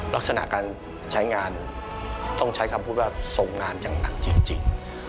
ลักษณะการใช้งานต้องใช้คำพูดว่าส่งงานอย่างหนักจริง